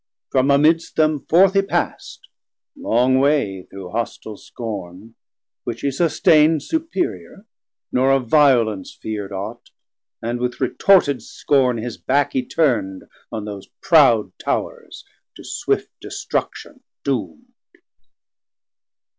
From amidst them forth he passd, 900 Long way through hostile scorn, which he susteind Superior, nor of violence fear'd aught; And with retorted scorn his back he turn'd On those proud Towrs to swift destruction doom'd.